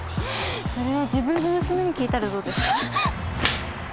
それは自分の娘に聞いたらどうですか？